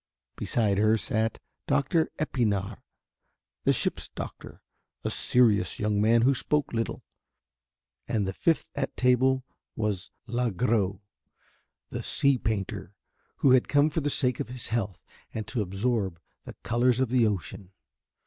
Beside her sat Doctor Epinard, the ship's doctor, a serious young man who spoke little, and the fifth at table was Lagross, the sea painter, who had come for the sake of his health and to absorb the colours of the ocean.